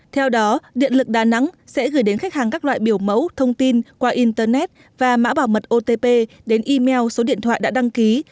theo đó điện lực đà nẵng sẽ gửi đến khách hàng các loại biểu mẫu thông tin qua internet và mã bảo mật otp đến email số điện thoại đã đăng ký